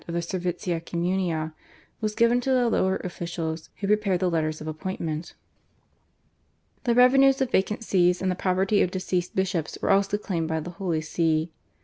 of the /servitia communia/, was given to the lower officials, who prepared the letters of appointment. The revenues of vacant Sees and the property of deceased bishops were also claimed by the Holy See.